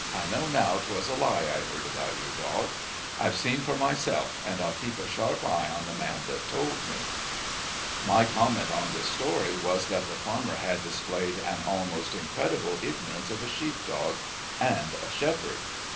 "I know now 'twas a lie I heard about your dog. I've seen for myself and I'll just keep a sharp eye on the man that told me." My comment on this story was that the farmer had displayed an almost incredible ignorance of a sheepdog and a shepherd.